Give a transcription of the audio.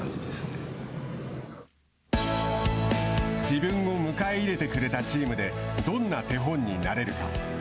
自分を迎え入れてくれたチームでどんな手本になれるか。